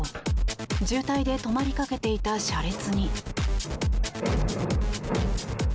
渋滞で止まりかけていた車列に。